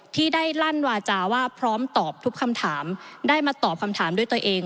ที่ได้ลั่นวาจาว่าพร้อมตอบทุกคำถามได้มาตอบคำถามด้วยตัวเอง